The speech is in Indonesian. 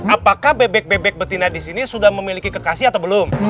apakah bebek bebek betina di sini sudah memiliki kekasih atau belum